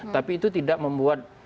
tapi itu tidak membuat